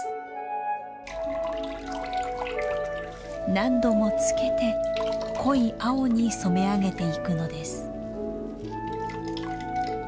何度もつけて濃い青に染め上げていくのです。